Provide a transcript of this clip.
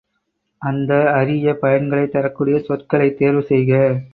அந்த, அரிய பயன்களைத் தரக்கூடிய சொற்களைத் தேர்வு செய்க.